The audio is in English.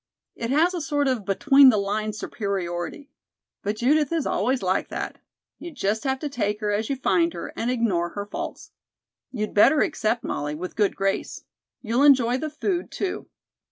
It has a sort of between the lines superiority. But Judith is always like that. You just have to take her as you find her and ignore her faults. You'd better accept, Molly, with good grace. You'll enjoy the food, too.